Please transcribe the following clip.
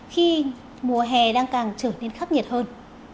khi mùa hè đang càng trở nên khắc nghiệt hơn